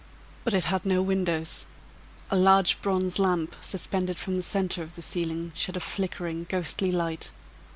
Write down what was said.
But it had no windows a large bronze lamp, suspended from the centre of the ceiling, shed a flickering, ghostly light.